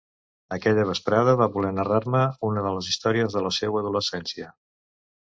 Aquella vesprada va voler narrar-me una de les històries de la seua adolescència.